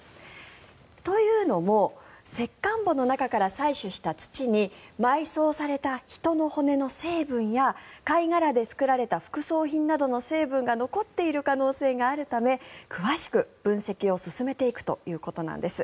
というのも石棺墓の中から採取した土に埋葬された人の骨の成分や貝殻で作られた副葬品などの成分が残っている可能性があるため詳しく分析を進めていくということなんです。